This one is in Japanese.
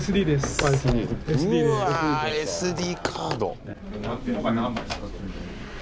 うわＳＤカード。